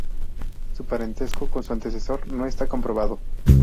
Su parentesco con su antecesor no está comprobado.